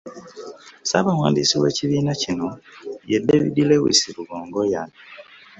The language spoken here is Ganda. Ssaabawandiisi w'ekibiina kino, ye David Lewis Rubongoy